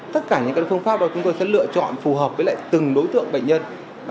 tất cả những phương pháp đó chúng tôi sẽ lựa chọn phù hợp với lại từng đối tượng bệnh nhân